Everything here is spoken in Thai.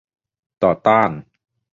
ต่อต้าน